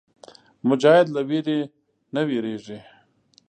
مجاهد له ویرې نه وېرېږي.